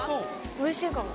おいしいかも。